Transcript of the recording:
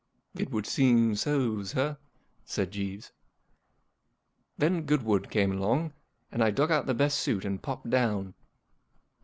*' It would seem so, sir," said Jeeves. Then Goodwood came along, and I dug out the best suit and popped down.